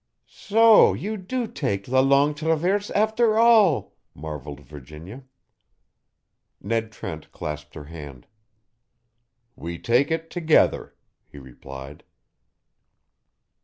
"So you do take la Longue Traverse, after all!" marvelled Virginia. Ned Trent clasped her hand. "We take it together," he replied.